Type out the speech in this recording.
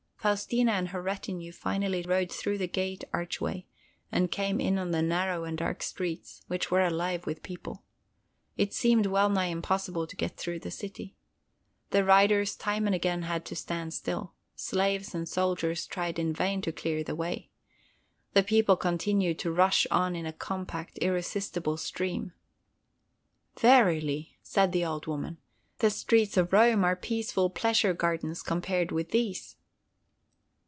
Faustina and her retinue finally rode through the gate archway and came in on the narrow and dark streets, which were alive with people. It seemed well nigh impossible to get through the city. The riders time and again had to stand still. Slaves and soldiers tried in vain to clear the way. The people continued to rush on in a compact, irresistible stream. "Verily," said the old woman, "the streets of Rome are peaceful pleasure gardens compared with these!"